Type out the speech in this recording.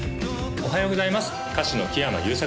おはようございます